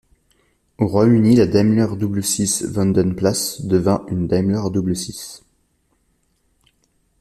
Au Royaume-Uni, la Daimler Double-Six Vanden Plas devint une Daimler Double-Six.